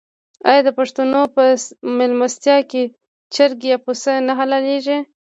آیا د پښتنو په میلمستیا کې چرګ یا پسه نه حلاليږي؟